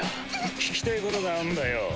聞きてぇことがあんだよ。